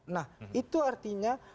nah itu artinya